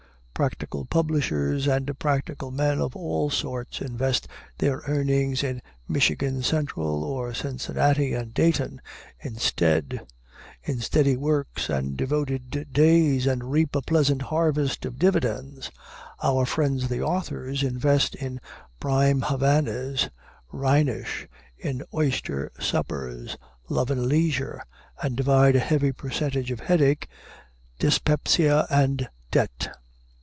Practical publishers and practical men of all sorts invest their earnings in Michigan Central or Cincinnati and Dayton instead, in steady works and devoted days, and reap a pleasant harvest of dividends. Our friends the authors invest in prime Havanas, Rhenish, in oyster suppers, love and leisure, and divide a heavy percentage of headache, dyspepsia, and debt.